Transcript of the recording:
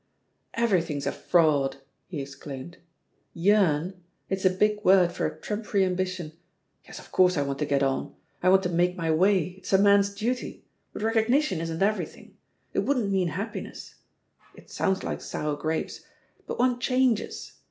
Everything's a fraud 1" he exclaimed. Yearn' ? It's a big word for a trmnpery am bition. Yes, of course, I want to get on. I want to make my way, it's a man's duty, but rec ognition isn't everything. It wouldn't mean happiness. It soimds like sour grapes. But one changes.